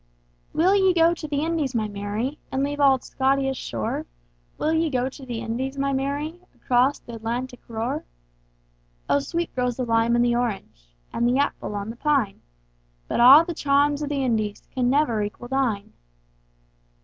WILL ye go to the Indies, my Mary, And leave auld Scotia's shore? Will ye go to the Indies, my Mary, Across th' Atlantic roar?O sweet grows the lime and the orange, And the apple on the pine; But a' the charms o' the IndiesCan never equal thine.